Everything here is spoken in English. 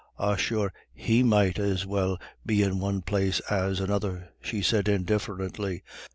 "Ah sure he might as well be in one place as another," she said indifferently.